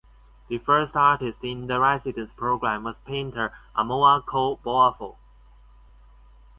Thee first artist in the residence program was painter Amoako Boafo.